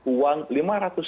uang lima ratus miliar rupiah